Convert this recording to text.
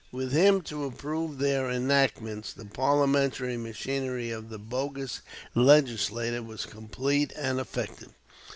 With him to approve their enactments, the parliamentary machinery of the "bogus" Legislature was complete and effective.